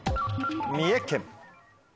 三重県。